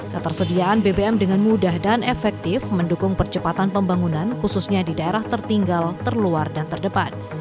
ketersediaan bbm dengan mudah dan efektif mendukung percepatan pembangunan khususnya di daerah tertinggal terluar dan terdepan